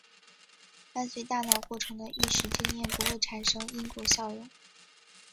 伴随大脑过程的意识经验不会产生因果效用。